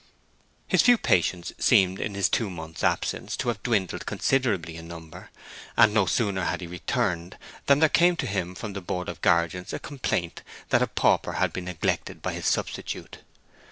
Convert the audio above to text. His few patients seemed in his two months' absence to have dwindled considerably in number, and no sooner had he returned than there came to him from the Board of Guardians a complaint that a pauper had been neglected by his substitute.